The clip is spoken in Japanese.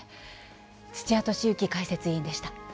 土屋敏之解説委員でした。